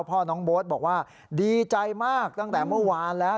พ่อน้องโบ๊ทบอกว่าดีใจมากตั้งแต่เมื่อวานแล้ว